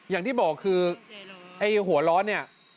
อย่างที่บอกคือไอ้หัวร้อนเนี่ย